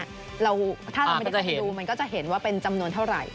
ถ้าเราไม่ได้เข้าไปดูมันก็จะเห็นว่าเป็นจำนวนเท่าไหร่